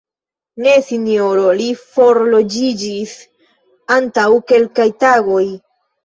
Ne Sinjoro, li forloĝiĝis antaŭ kelkaj tagoj.